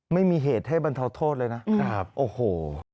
ไม่มีเหตุให้บรรเทาโทษเลยนะครับโอ้โห